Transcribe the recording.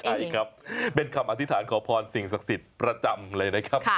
ใช่ครับเป็นคำอธิษฐานขอพรสิ่งศักดิ์สิทธิ์ประจำเลยนะครับ